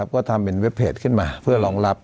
ก็ทำเป็นเว็บเพจขึ้นมาเพื่อรองรับ